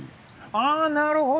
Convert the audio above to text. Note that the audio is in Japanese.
あなるほど！